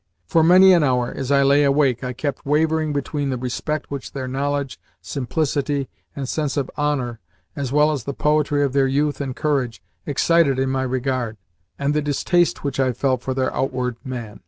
For many an hour, as I lay awake, I kept wavering between the respect which their knowledge, simplicity, and sense of honour, as well as the poetry of their youth and courage, excited in my regard, and the distaste which I felt for their outward man.